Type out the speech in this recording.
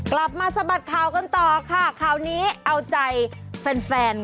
กลับมาสบัดข่ากันต่อค่ะคราวนี้เอาใจแฟนกันหน่อย